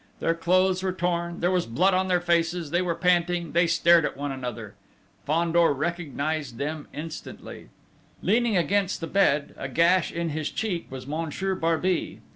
Their clothes were torn: there was blood on their faces, they were panting: they stared at one another. Fandor recognised them instantly. Leaning against the bed, a gash in his cheek, was Monsieur Barbey.